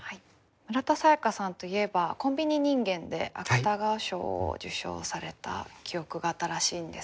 村田沙耶香さんといえば「コンビニ人間」で芥川賞を受賞された記憶が新しいんですが。